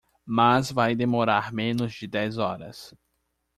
Mas vai demorar menos de dez horas.